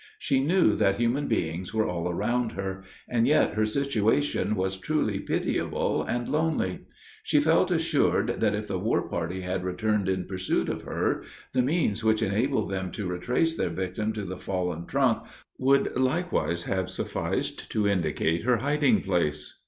She knew that human beings were all around her, and yet her situation was truly pitiable and lonely. She felt assured that if the war party had returned in pursuit of her, the means which enabled them to trace their victim to the fallen trunk would likewise have sufficed to indicate her hiding place.